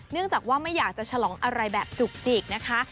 จากว่าไม่อยากจะฉลองอะไรแบบจุกจิกนะคะ